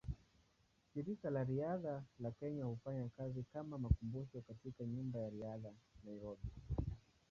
Shirika la Riadha la Kenya hufanya kazi kama makumbusho katika Nyumba ya Riadha, Nairobi.